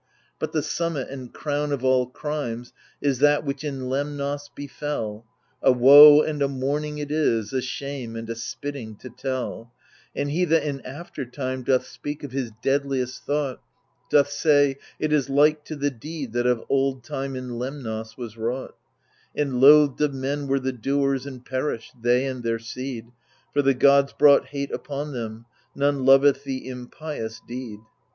But the summit and crown of all crimes is that which in Lemnos befell ;^ A woe and a mourning it is, a shame and a spitting to tell ; And he that in after time doth speak of his deadliest thought, Doth say, // is like to the deed that of old tifne in Lemnos was wrought; And loathed of men were the doers, and perished, they and their seed. For the gods brought hate upon them ; none loveth the impious deed.